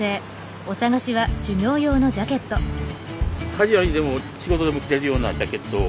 カジュアルにでも仕事でも着れるようなジャケットを。